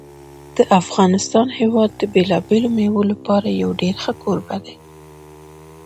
د افغانستان هېواد د بېلابېلو مېوو لپاره یو ډېر ښه کوربه دی.